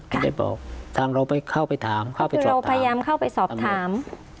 ได้บอกทางเราไปเข้าไปถามเข้าไปเราพยายามเข้าไปสอบถาม